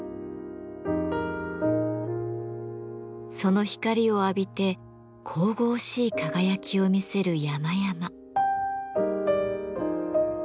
その光を浴びて神々しい輝きを見せる山々。